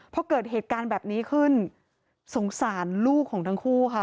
พอเกิดเหตุการณ์แบบนี้ขึ้นสงสารลูกของทั้งคู่ค่ะ